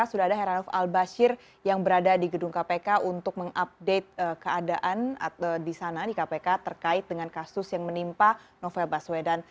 sudah ada heranov al bashir yang berada di gedung kpk untuk mengupdate keadaan di sana di kpk terkait dengan kasus yang menimpa novel baswedan